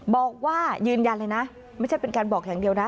บอกว่ายืนยันเลยนะไม่ใช่เป็นการบอกอย่างเดียวนะ